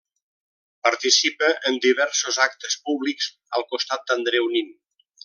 Participa en diversos actes públics al costat d'Andreu Nin.